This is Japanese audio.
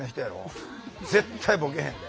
絶対ボケへんで。